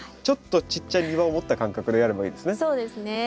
ちょっとちっちゃい庭を持った感覚でやればいいですね。